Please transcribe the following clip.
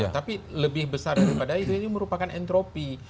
tapi lebih besar daripada itu ini merupakan entropi